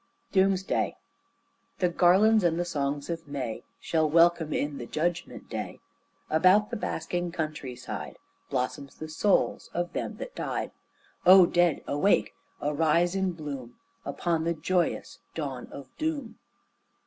DOMESDAY The garlands and the songs of May Shall welcome in the Judgment Day; About the basking country side Blossom the souls of them that died. O Dead awake! Arise in bloom Upon the joyous dawn of doom.